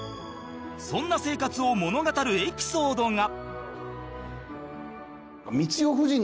そんな生活を物語るエピソードが